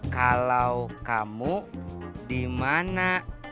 kalau kamu di mana